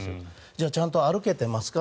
じゃあ、ちゃんと歩けてますか？